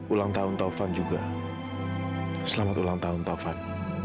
ulang tahun taufan juga selamat ulang tahun taufan